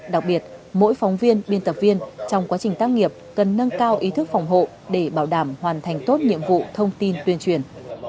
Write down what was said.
đặc biệt mỗi phóng viên biên tập viên trong quá trình tác nghiệp cần nâng cao ý thức phòng hộ để bảo đảm hoàn thành tốt nhiệm vụ thông tin tuyên truyền